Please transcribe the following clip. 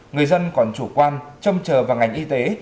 người dân còn chủ quan châm trờ vào ngành y tế